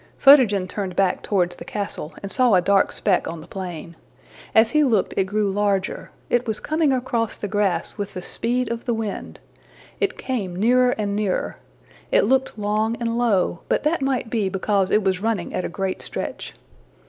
'' Photogen turned back towards the castle, and saw a dark speck on the plain. As he looked, it grew larger: it was coming across the grass with the speed of the wind. It came nearer and nearer. It looked long and low, but that might be because it was running at a great stretch.